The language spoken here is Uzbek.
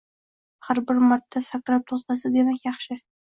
Agar bir marta sakrab to'xtasa demak yaxshi.